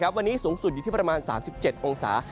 วันนี้สูงสุดอยู่ที่ประมาณ๓๗องศา